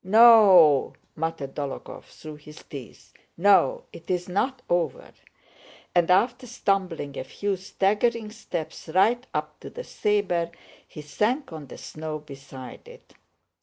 "No o o!" muttered Dólokhov through his teeth, "no, it's not over." And after stumbling a few staggering steps right up to the saber, he sank on the snow beside it.